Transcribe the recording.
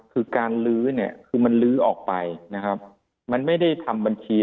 คือการลื้อเนี่ยคือมันลื้อออกไปนะครับมันไม่ได้ทำบัญชี